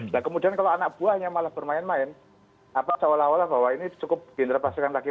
nah kemudian kalau anak buahnya malah bermain main apa cawalah cawalah bahwa ini cukup diinterpaskikan lagi